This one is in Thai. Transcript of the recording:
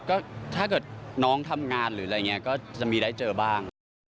ก็ถ้าเกิดน้องทำงานหรืออะไรอย่างนี้ก็จะมีได้เจอบ้าง